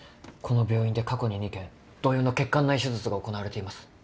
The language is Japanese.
この病院で過去に２件同様の血管内手術が行なわれています。